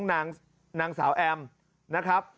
นางสาวแอมนะครับ